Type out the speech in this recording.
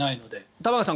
玉川さん